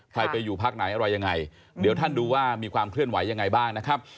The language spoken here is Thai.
ไปอยู่พักไหนอะไรยังไงเดี๋ยวท่านดูว่ามีความเคลื่อนไหวยังไงบ้างนะครับ